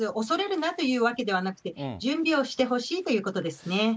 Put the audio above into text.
恐れるなというわけではなくて、準備をしてほしいということですね。